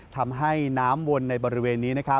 ทำให้น้ำวนในบริเวณนี้